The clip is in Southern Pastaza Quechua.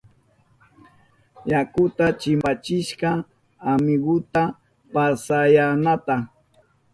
Yakuta chimpachishka amigunta pasyananpa.